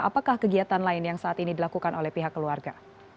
apakah kegiatan lain yang saat ini dilakukan oleh pihak keluarga